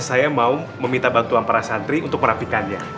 saya mau meminta bantuan para santri untuk merapikannya